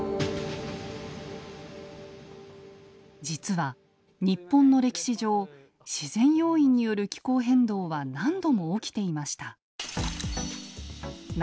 実は日本の歴史上自然要因による気候変動は何度も起きていました。